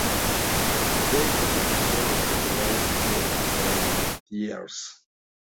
De hecho se casaron en la catedral de Poitiers.